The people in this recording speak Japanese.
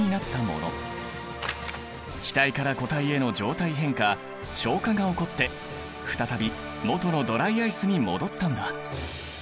気体から固体への状態変化昇華が起こって再びもとのドライアイスに戻ったんだ。